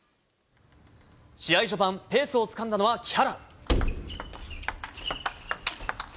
試合序盤、ペースをつかんだのは木原。